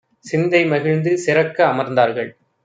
சிந்தை மகிழ்ந்து சிறக்க அமர்ந்தார்கள்.